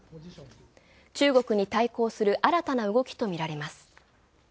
中国に対抗する新たな動きとみられます。